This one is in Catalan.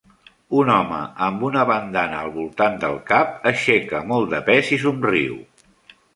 Un home amb una bandana al voltant del cap aixeca molt de pes i somriu.